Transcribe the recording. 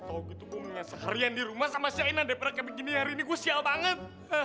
tau gitu gue nginya seharian dirumah sama shaina daripada kayak begini hari ini gue sial banget